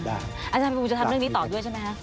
อาจารย์ภูมิจะทำเรื่องนี้ต่อด้วยใช่ไหมคะ